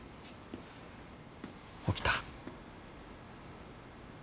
起きた？